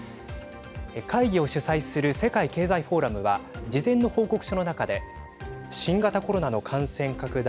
会議を主催する世界経済フォーラムは事前の報告書の中で新型コロナの感染拡大